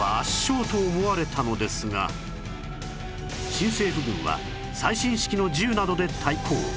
新政府軍は最新式の銃などで対抗